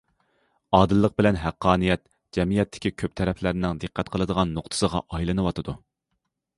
ئادىللىق بىلەن ھەققانىيەت جەمئىيەتتىكى كۆپ تەرەپلەرنىڭ دىققەت قىلىدىغان نۇقتىسىغا ئايلىنىۋاتىدۇ.